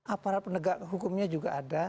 aparat penegak hukumnya juga ada